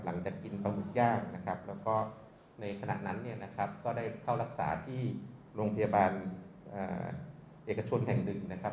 หลังจากกินปลาหมึกย่างนะครับแล้วก็ในขณะนั้นเนี่ยนะครับก็ได้เข้ารักษาที่โรงพยาบาลเอกชนแห่งหนึ่งนะครับ